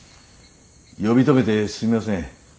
呼び止めてすみません。